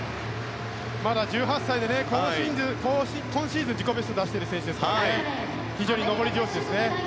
まだ１８歳で今シーズン、自己ベストを出している選手ですから非常に上り調子ですね。